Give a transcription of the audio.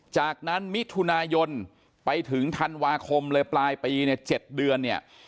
จากนั้นมิถุนายนไปถึงธันวาคมปลายปีใน๗เดือน